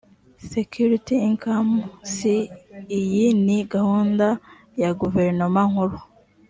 security income ssi iyi ni gahunda ya guverinoma nkuru